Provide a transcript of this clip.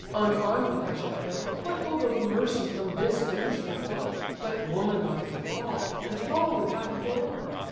Unarm'd if I should go, What hope of mercy from this vengeful foe, But woman like to fall, and fall without a blow?